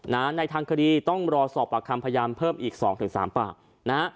ในทางคดีต้องรอสอบปากคำพยามเพิ่มอีก๒๓ปากนะ